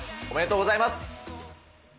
おめでとうございます。